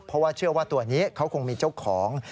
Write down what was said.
เพราะว่าเชื่อว่าตัวนี้เขาคงมีเจ้าของ